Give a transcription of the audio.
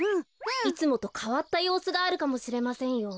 いつもとかわったようすがあるかもしれませんよ。